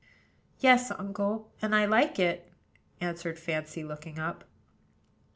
"Yes, uncle; and I like it," answered Fancy, looking up.